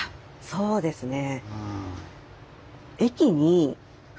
そうですね。